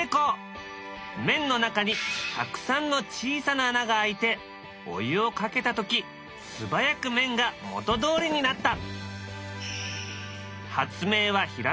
麺の中にたくさんの小さな穴があいてお湯をかけた時素早く麺が元どおりになった。